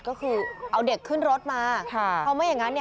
ก็คือเอาเด็กขึ้นรถมาค่ะเพราะไม่อย่างนั้นเนี่ย